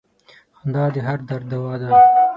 • خندا د هر درد دوا ده.